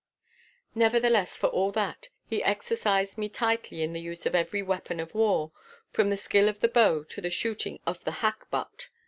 Nevertheless, for all that, he exercised me tightly in the use of every weapon of war, from the skill of the bow to the shooting of the hackbutt.